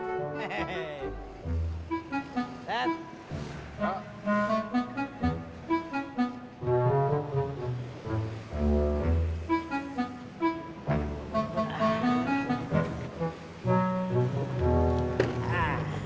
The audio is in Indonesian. tidak ada yang bisa